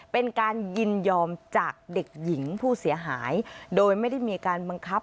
เป็นการยินยอมจากเด็กหญิงผู้เสียหายโดยไม่ได้มีการบังคับ